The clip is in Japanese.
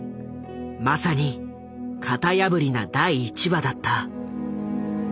まさに型破りな第１話だった。